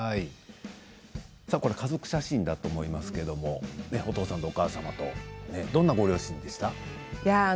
これは家族写真だと思いますけれどお父様とお母様とどんなご両親でした？